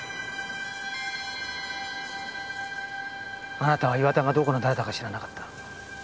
あなたは岩田がどこの誰だか知らなかった。